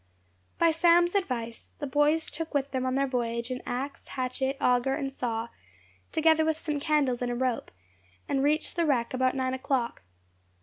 By Sam's advice, the boys took with them on their voyage an ax, hatchet, auger, and saw, together with some candles and a rope, and reached the wreck about nine o'clock.